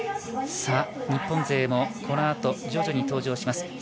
日本勢もこのあと徐々に登場します。